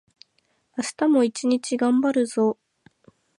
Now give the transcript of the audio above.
明日も一日がんばるぞ